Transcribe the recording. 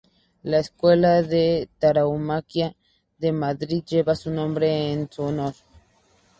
La escuela de tauromaquia de Madrid lleva su nombre en su honor.